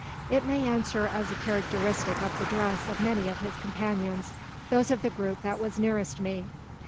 It may answer as a characteristic of the dress of many of his companions, those of the group that was nearest me.